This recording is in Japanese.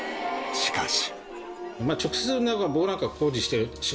しかし。